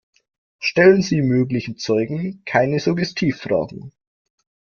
Stellen Sie möglichen Zeugen keine Suggestivfragen.